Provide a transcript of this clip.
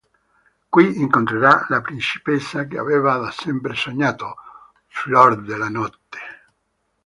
Qui incontrerà la principessa che aveva da sempre sognato: Fior-della-Notte.